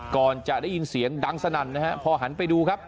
ก่อนจะได้ยินเสียงดังสนั่นนะฮะพอหันไปดูครับ